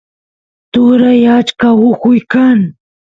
turat achka ujuy kan